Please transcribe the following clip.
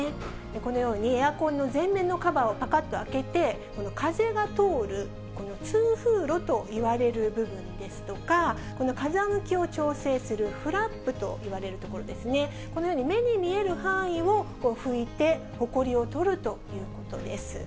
このように、エアコンの前面のカバーをぱかっと開けて、この風が通る、この通風路といわれる部分ですとか、風向きを調整するフラップといわれるところですね、このように目に見える範囲を拭いて、ほこりを取るということです。